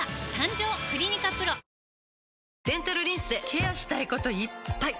デンタルリンスでケアしたいこといっぱい！